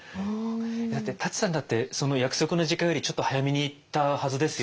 だって舘さんだってその約束の時間よりちょっと早めに行ったはずですよね。